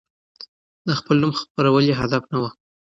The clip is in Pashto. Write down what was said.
د خپل نوم خپرول يې هدف نه و.